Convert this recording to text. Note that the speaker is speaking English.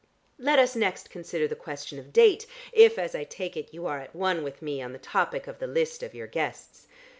Let us next consider the question of date, if, as I take it, you are at one with me on the topic of the list of your guests.